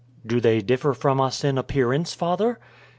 "Do they differ from us in appearance, father?"